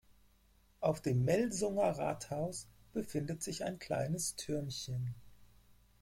Auf dem Melsunger Rathaus befindet sich ein kleines Türmchen.